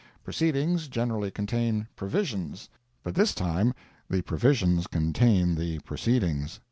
Proceedings generally contain "provisions," but this time the provisions contain the proceedings.